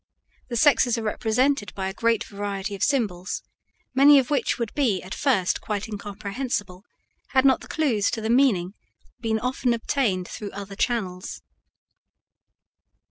The sexes are represented by a great variety of symbols, many of which would be at first quite incomprehensible had not the clews to the meaning been often obtained through other channels.